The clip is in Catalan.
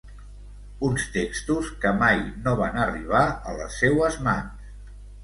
Uns textos que mai no van arribar a les seues mans.